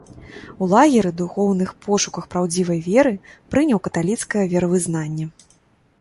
У лагеры, у духоўных пошуках праўдзівай веры, прыняў каталіцкае веравызнанне.